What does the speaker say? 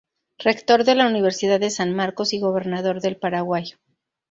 Rector de la Universidad de San Marcos y Gobernador del Paraguay.